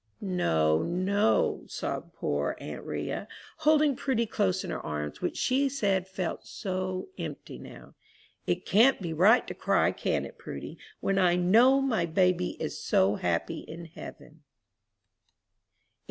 "No, no," sobbed poor aunt 'Ria, holding Prudy close in her arms, which she said felt "so empty" now, "it can't be right to cry, can it, Prudy, when I know my baby is so happy in heaven?"